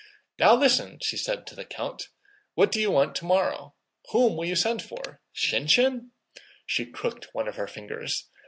"Now listen," she said to the count. "What do you want tomorrow? Whom will you send for? Shinshín?" she crooked one of her fingers.